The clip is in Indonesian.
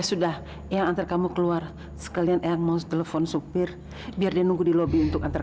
sampai jumpa di video selanjutnya